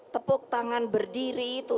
tepuk tangan berdiri itu